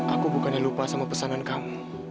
aku bukannya lupa sama pesanan kamu